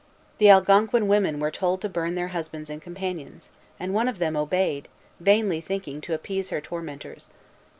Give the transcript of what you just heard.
The Algonquin women were told to burn their husbands and companions; and one of them obeyed, vainly thinking to appease her tormentors.